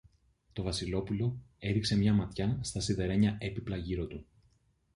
Το Βασιλόπουλο έριξε μια ματιά στα σιδερένια έπιπλα γύρω του.